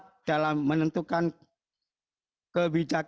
sehingga kedepannya kita dapat memiliki pijakan yang lebih baik